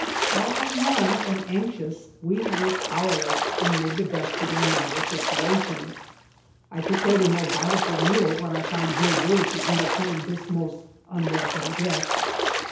While alarmed and anxious we were powerless and made the best of our novel situation. I prepared a more bountiful meal w^hen I found we were to entertain this most unwel come guest.